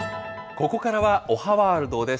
ここからは、おはワールドです。